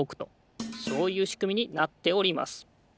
そういうしくみになっております。